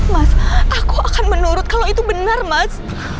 mas aku akan menurut kalau itu benar mas